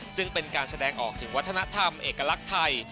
ซึ่งเป็นการแสดงออกถึงวัฒนธรรมเอกลักษณ์ไทย